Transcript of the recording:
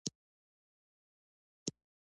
د پرسټر جان پر افسانې را ټول شول.